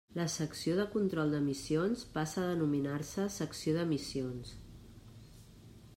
La Secció de Control d'Emissions passa a denominar-se Secció d'Emissions.